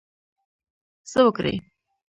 څه وکړی.